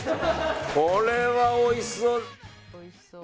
これはおいしそう。